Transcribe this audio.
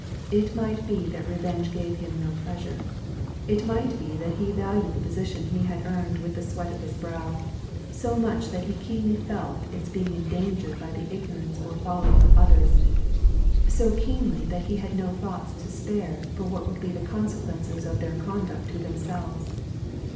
It might be that revenge gave him no pleasure; it might be that he valued the position he had earned with the sweat of his brow, so much that he keenly felt its being endangered by the ignorance or folly of others, so keenly that he had no thoughts to spare for what would be the consequences of their conduct to themselves.